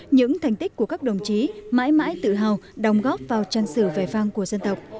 những thành tích của các đồng chí mãi mãi tự hào đồng góp vào trang sử vẻ vang của dân tộc